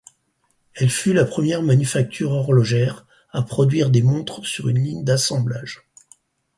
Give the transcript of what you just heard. Elle fut la première manufacture horlogère à produire des montres sur une ligne d'assemblage.